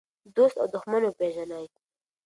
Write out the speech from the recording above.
دوست او دښمن وپېژنئ.